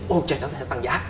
ồ trời nó sẽ tăng giá